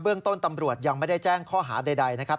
เรื่องต้นตำรวจยังไม่ได้แจ้งข้อหาใดนะครับ